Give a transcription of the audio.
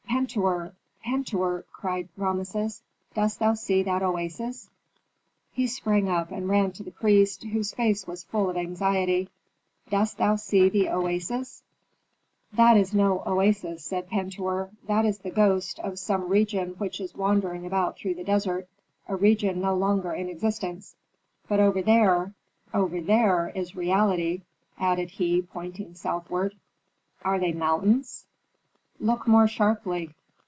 "Pentuer! Pentuer!" cried Rameses. "Dost thou see that oasis?" He sprang up and ran to the priest, whose face was full of anxiety. "Dost thou see the oasis?" "That is no oasis," said Pentuer; "that is the ghost of some region which is wandering about through the desert a region no longer in existence. But over there over there is reality!" added he, pointing southward. "Are they mountains?" "Look more sharply."